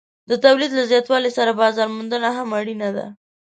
د تولید له زیاتوالي سره بازار موندنه هم اړینه ده.